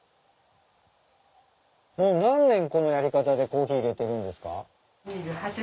もう何年このやり方でコーヒー入れてるんですか？